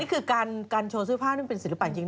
นี่คือการโชว์เสื้อผ้าเป็นศิลปันจริง